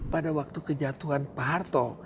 pada waktu kejatuhan pak harto